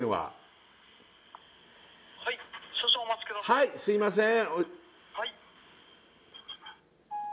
はいっすいません